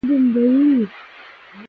نیمايي نورو ته هیڅ پروګرام جوړ نه شو.